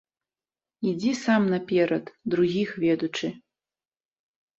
Ідзі сам наперад другіх ведучы!